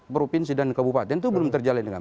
provinsi dan kabupaten itu belum terjalin kan